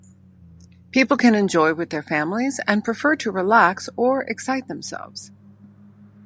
People can enjoy with their families and prefer to relax or excite themselves.